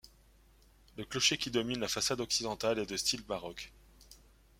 Le clocher qui domine la façade occidentale est de style baroque.